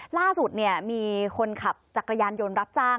ล่าสุดมีคนขับจักรยานยนต์รับจ้าง